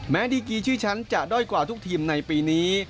ดีกีชื่อฉันจะด้อยกว่าทุกทีมในปีนี้